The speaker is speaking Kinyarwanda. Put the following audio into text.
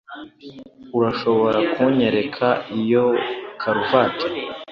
urashobora kunyereka iyo karuvati